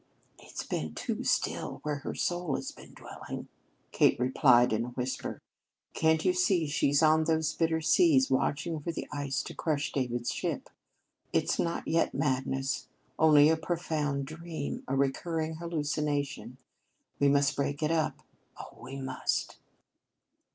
"It's been too still where her soul has been dwelling," Kate replied in a whisper. "Can't you see she's on those bitter seas watching for the ice to crush David's ship? It's not yet madness, only a profound dream a recurring hallucination. We must break it up oh, we must!"